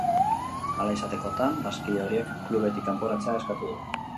Hala izatekotan, bazkide horiek klubetik kanporatzea eskatu du.